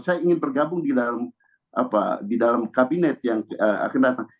saya ingin bergabung di dalam kabinet yang akan datang